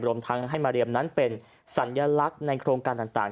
รวมทั้งให้มาเรียมนั้นเป็นสัญลักษณ์ในโครงการต่าง